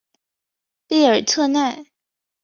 贝尔特奈。